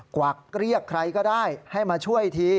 กวักเรียกใครก็ได้ให้มาช่วยที